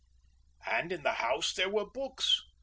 And in the house there were books.